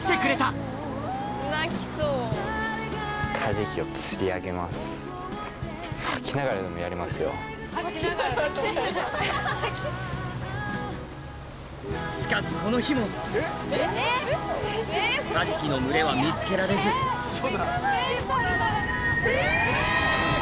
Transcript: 実は竹内船長がしかしこの日もカジキの群れは見つけられずえ！